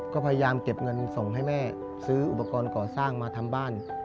ก็พยายามเก็บเงินส่งให้แม่ซื้ออุปกรณ์ก่อสร้างมาทำบ้าน